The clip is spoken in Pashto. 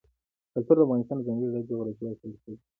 کلتور د افغانستان د ځانګړي ډول جغرافیه استازیتوب کوي.